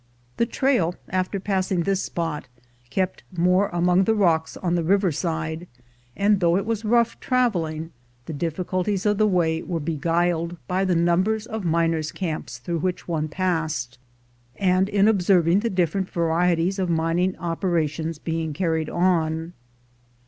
The trail, after passing this spot, kept more among the rocks on the river side ; and though it was rough traveling, the difficulties of the way were beguiled by the numbers of miners' camps through which one passed, and in observing the different varieties of min ing operations being carried on.